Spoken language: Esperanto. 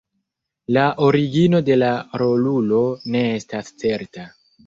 La origino de la rolulo ne estas certa.